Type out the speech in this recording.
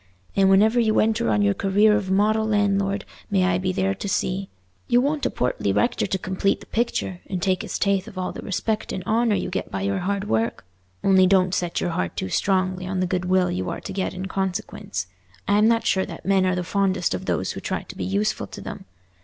And whenever you enter on your career of model landlord may I be there to see. You'll want a portly rector to complete the picture, and take his tithe of all the respect and honour you get by your hard work. Only don't set your heart too strongly on the goodwill you are to get in consequence. I'm not sure that men are the fondest of those who try to be useful to them.